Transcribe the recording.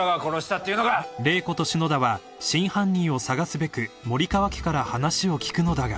［麗子と篠田は真犯人を捜すべく森川家から話を聞くのだが］